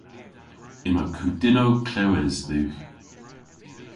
Yma kudynnow klewes dhywgh.